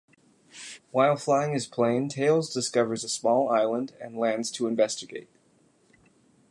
While flying his plane, Tails discovers a small island and lands to investigate.